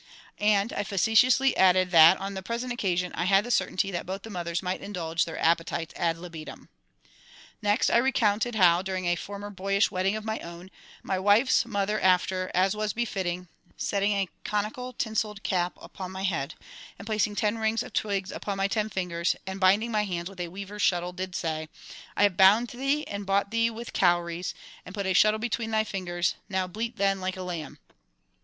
And I facetiously added that, on the present occasion, I had the certainty that both the mothers might indulge their appetites ad libitum. Next I recounted how, during a former boyish wedding of my own, my wife's mother after, as was befitting, setting a conical tinselled cap upon my head, and placing ten rings of twigs upon my ten fingers, and binding my hands with a weaver's shuttle, did say, "I have bound thee, and bought thee with cowries, and put a shuttle between thy fingers; now bleat then like a lamb."